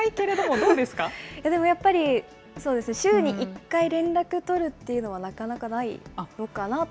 でもやっぱりそうですね、週に１回連絡取るっていうのは、なかなかないのかなと。